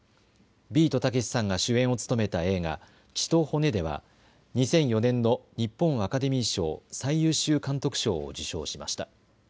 ビートたけしさんが主演を務めた映画、血と骨では２００４年の日本アカデミー賞最優秀監督賞を受賞しました。